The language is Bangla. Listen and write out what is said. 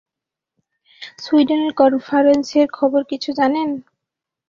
সুইডেনের কনফারেন্সের খবর কিছু জানেন?